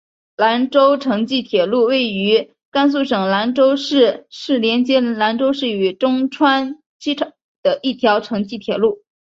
兰中城际铁路位于甘肃省兰州市是连接兰州市区与中川机场的一条城际铁路。